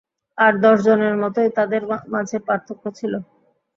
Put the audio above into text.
আর দশজনের মতোই, তাদের মাঝে পার্থক্য ছিল।